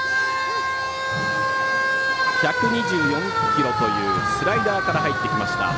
１２４キロというスライダーから入ってきました。